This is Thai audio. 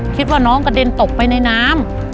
คิดว่าน้องกระเด็นตกไปในน้ำ